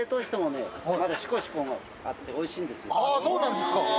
あそうなんですか。